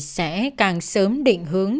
sẽ càng sớm định hướng